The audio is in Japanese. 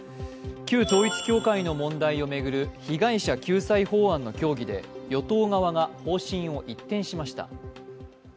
旧統一教会の問題を巡る被害者救済法案の協議で与党側が方針を一転しました。